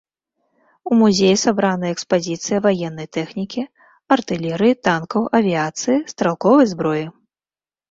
У музеі сабраная экспазіцыя ваеннай тэхнікі, артылерыі, танкаў, авіяцыі, стралковай зброі.